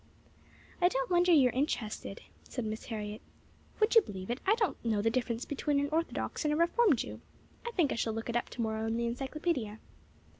"I don't wonder you are interested," said Miss Harriet. "Would you believe it, I don't know the difference between an orthodox and a reform Jew? I think I shall look it up to morrow in the encyclopedia."